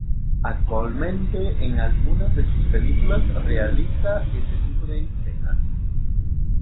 Actualmente en algunas de sus películas realiza ese tipo de escenas.